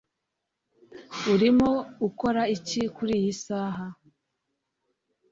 Urimo ukora iki kuriyi saha?